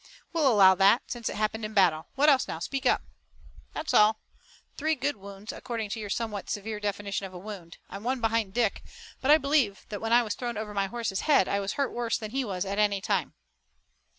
"We'll allow that, since it happened in battle. What else now? Speak up!" "That's all. Three good wounds, according to your own somewhat severe definition of a wound. I'm one behind Dick, but I believe that when I was thrown over my horse's head I was hurt worse than he was at any time."